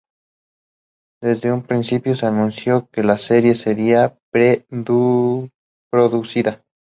Desde un principio se anunció que la serie seria pre-producida.